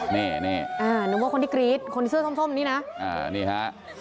นี่นี่อ่านึกว่าคนที่กรี๊ดคนที่เสื้อส้มส้มนี่น่ะอ่านี่ฮะ